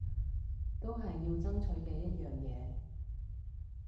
都係要爭取嘅一樣嘢